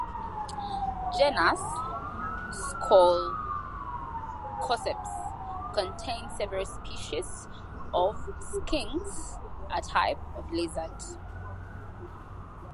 Genus "Scolecoseps" contains several species of Skinks, a type of Lizard.